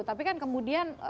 tapi kan kemudian